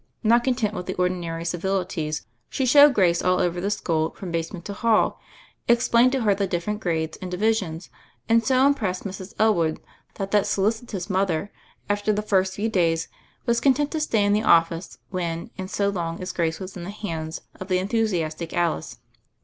Not content with the ordinary civilities, she showed Grace all over the school from basement to hall, explained to her tlie different gra^des and divisions, and so THE FAIRY OF THE SNOWS 145 impressed Mrs. Elwood that that solicitous mother, after the first few days, was content to stay in the office when and so long as Grace was in the hands of the enthusiastic Alice.